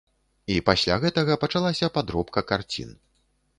І пасля гэтага пачалася падробка карцін.